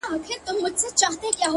علم د انسان عزت زیاتوي.